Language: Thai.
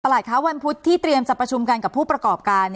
วันพุธที่เตรียมจะประชุมกันกับผู้ประกอบการ